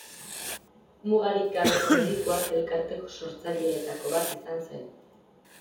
Mugarik Gabeko Medikuak elkarteko sortzaileetako bat izan zen.